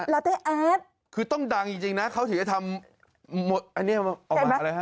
แล้วเต้แอดคือต้องดังจริงนะเขาถึงจะทำอันนี้ออกมาอะไรฮะ